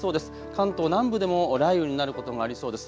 関東南部でも雷雨になることがありそうです。